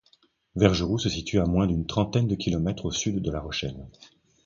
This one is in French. Vergeroux se situe à moins d'une trentaine de kilomètres au sud de La Rochelle.